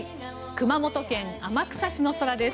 熊本県天草市の空です。